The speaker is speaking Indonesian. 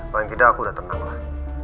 paling tidak aku udah tenang lah